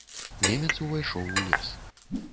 Немец увайшоў у лес.